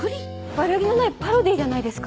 悪気のないパロディーじゃないですか。